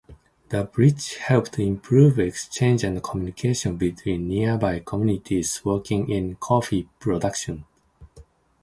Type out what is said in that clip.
The bridge helped improve exchange and communication between nearby communities working in coffee production.